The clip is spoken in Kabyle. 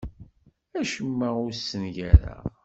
Acemma ur t-ssengareɣ.